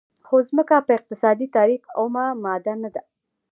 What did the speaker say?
خو ځمکه په اقتصادي تعریف اومه ماده نه ده.